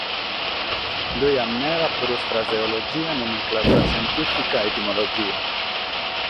Dhue at meda prus fraseologia, numencladura iscientífica, etimologia.